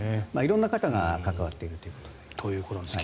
色んな方が関わっているということで。